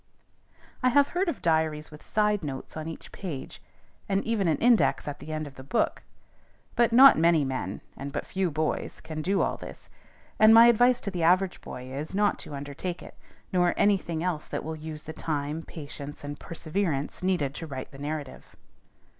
I have heard of diaries with side notes on each page, and even an index at the end of the book; but not many men, and but few boys, can do all this; and my advice to the average boy is, not to undertake it, nor any thing else that will use the time, patience, and perseverance, needed to write the narrative.